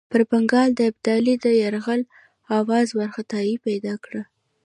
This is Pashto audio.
پر بنګال د ابدالي د یرغل آوازو وارخطایي پیدا کړه.